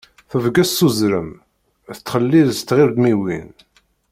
Tebges s uzrem, txellel s tɣirdmiwin.